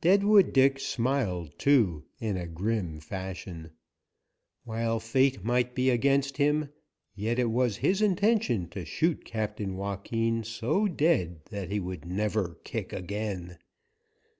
Deadwood Dick smiled too, in a grim fashion. While fate might be against him, yet it was his intention to shoot Captain Joaquin so dead that he would never kick again.